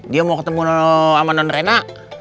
dia mau ketemu lo sama nonrena